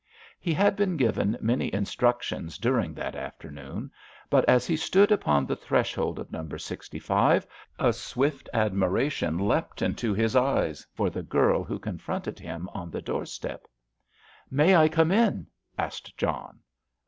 He had been given many instructions during that afternoon, but as he stood upon the threshold of No. 65 a swift admiration leapt into his eyes for the girl who confronted him on the doorstep. "May I come in?" asked John.